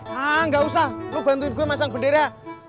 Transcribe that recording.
hah gak usah lo bantuin gue masang bendera